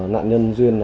nạn nhân duyên